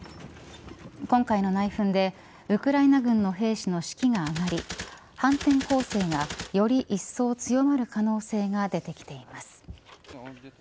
今回の内紛でウクライナ軍の兵士の士気が上がり反転攻勢がより一層強まる可能性が出てきています。